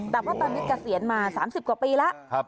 แต่พอตามยุคเกษียณมา๓๐กว่าปีแล้ว